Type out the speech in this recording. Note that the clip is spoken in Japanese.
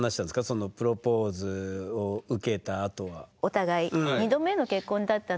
そのプロポーズを受けたあとは。